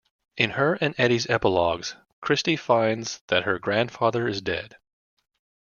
In her and Eddy's epilogues, Christie finds that her grandfather is dead.